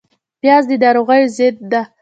پیاز د ناروغیو ضد ده